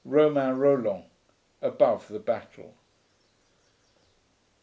ROMAIN ROLLAND, Above the Battle.